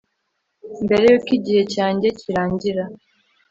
mbere yuko igihe cyanjye kirangira.